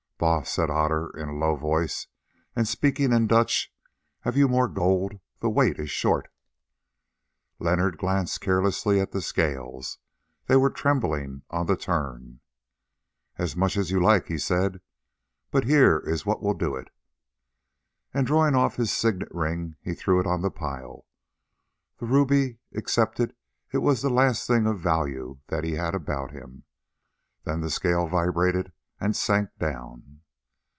"Baas," said Otter in a low voice, and speaking in Dutch, "have you more gold? The weight is short." Leonard glanced carelessly at the scales: they were trembling on the turn. "As much as you like," he said, "but here is what will do it." And drawing off his signet ring he threw it on the pile. The ruby excepted, it was the last thing of value that he had about him. Then the scale vibrated and sank down.